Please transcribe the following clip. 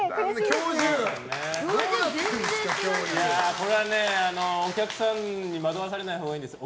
これはね、お客さんに惑わされないほうがいいんですよ。